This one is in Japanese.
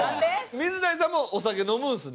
水谷さんもお酒飲むんですね？